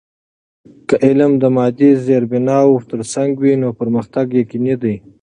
که علم د مادی زیربناوو ترڅنګ وي، نو پرمختګ یقینی دی.